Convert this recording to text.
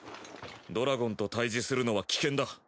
ドラゴンと対峙するのは危険だ。